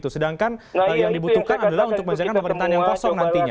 sedangkan yang dibutuhkan adalah untuk menjaga pemerintahan yang kosong nantinya